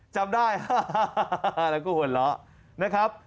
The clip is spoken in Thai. จำได้แล้วก็หว่อนล้อครับ